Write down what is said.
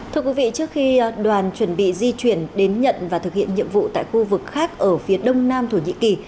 trước khi đoàn chuẩn bị di chuyển đến nhận và thực hiện nhiệm vụ tại khu vực khác ở phía đông nam thổ nhĩ kỳ